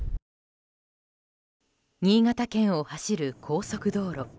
新潟県を走る高速道路。